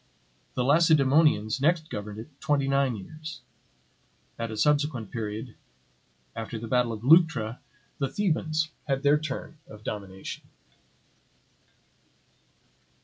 The Lacedaemonians next governed it twenty nine years; at a subsequent period, after the battle of Leuctra, the Thebans had their turn of domination.